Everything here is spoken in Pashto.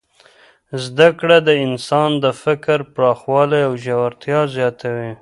زده کړه د انسان د فکر پراخوالی او ژورتیا زیاتوي.